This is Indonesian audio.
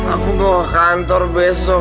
aku mau kantor besok